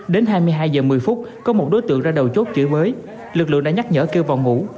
đến hai mươi hai h một mươi phút có một đối tượng ra đầu chốt chửi bới lực lượng đã nhắc nhở kêu vào ngủ